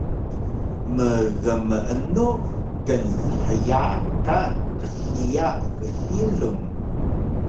Mgmeenu knshyaan ka qsiya gsilung?